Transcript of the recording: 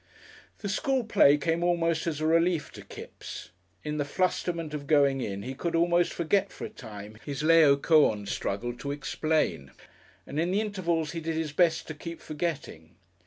The School Play came almost as a relief to Kipps. In the flusterment of going in he could almost forget for a time his Laocoon struggle to explain, and in the intervals he did his best to keep forgetting.